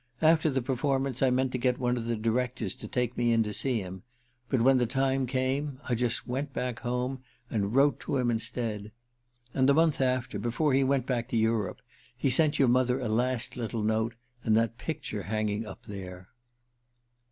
After the performance I meant to get one of the directors to take me in to see him; but when the time came, I just went back home and wrote to him instead. And the month after, before he went back to Europe, he sent your mother a last little note, and that picture hanging up there..."